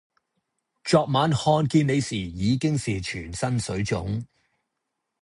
昨晚看見你時已經是全身水腫